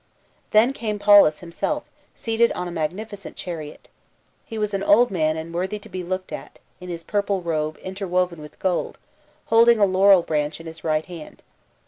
Then came Paulus himself, seated on a magnifi cent chariot. He was an old man and worthy to be looked at, in his purple robe interwoven with gold, holding a laurel branch in his right hand.